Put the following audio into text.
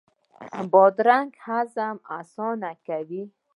بادرنګ هضم اسانه کوي.